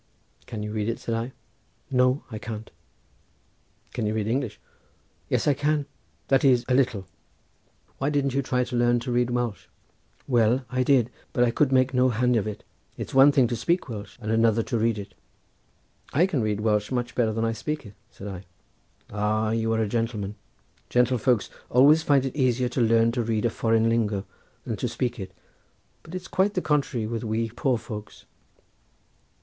"Can you read it?" said I. "No, I can't." "Can you read English?" "Yes, I can; that is, a little." "Why didn't you try to learn to read Welsh?" "Well, I did; but I could make no hand of it. It's one thing to speak Welsh and another to read it." "I can read Welsh much better than I can speak it," said I. "Ah, you are a gentleman—gentlefolks always find it easier to learn to read a foreign lingo than to speak it, but it's quite the contrary with we poor folks."